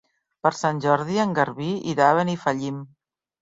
Per Sant Jordi en Garbí irà a Benifallim.